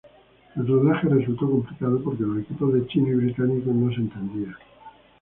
El rodaje resultó complicado porque los equipos de chinos y británicos no se entendían.